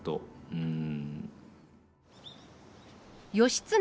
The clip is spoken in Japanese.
うん。